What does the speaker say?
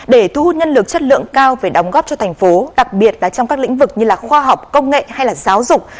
để thu hút nhân lực chất lượng cao về đóng góp cho thành phố đặc biệt là trong các lĩnh vực như là khoa học công nghệ hay giáo dục